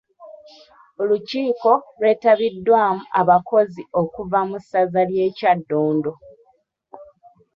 Olukiiko lwetabiddwamu abakozi okuva mu ssaza ly’e Kyaddondo.